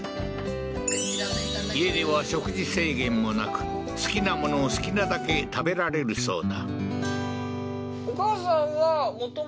家では食事制限もなく好きなものを好きなだけ食べられるそうだ